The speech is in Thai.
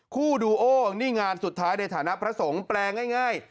คู่ดูโอนี่งานสุดท้ายในฐานะพระสงฆ์แปลง่าย